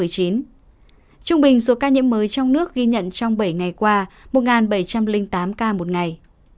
trung bình số ca nhiễm mới trong nước ghi nhận trong bảy ngày qua một bảy trăm linh tám ca một ngày